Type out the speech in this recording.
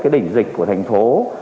đỉnh dịch của thành phố